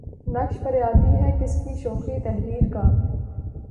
نقش فریادی ہے کس کی شوخیٴ تحریر کا؟